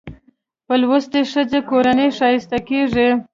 په لوستې ښځه کورنۍ ښايسته کېږي